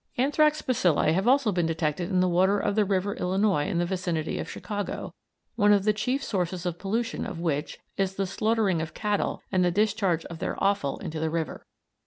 Anthrax bacilli have also been detected in the water of the River Illinois in the vicinity of Chicago, one of the chief sources of pollution of which is the slaughtering of cattle and the discharge of their offal into the river.